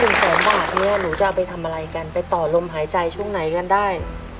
แสนบาทเนี่ยหนูจะเอาไปทำอะไรกันไปต่อลมหายใจช่วงไหนกันได้